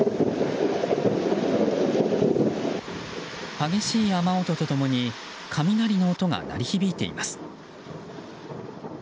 激しい雨音と共に雷の音が鳴り響いています。